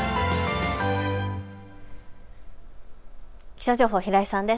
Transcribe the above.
気象情報、平井さんです。